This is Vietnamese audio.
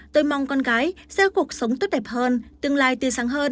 tôi mong con gái sẽ có cuộc sống tốt đẹp hơn tương lai tươi sáng hơn